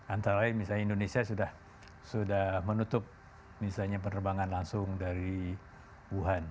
antara lain misalnya indonesia sudah menutup misalnya penerbangan langsung dari wuhan